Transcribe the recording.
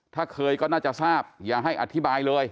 ถ้าเคยก็น่าจะทราบอย่าให้อธิบายเลย